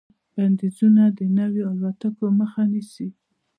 بندیزونه د نویو الوتکو مخه نیسي.